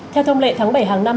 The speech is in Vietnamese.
theo thông lệ tháng bảy hàng năm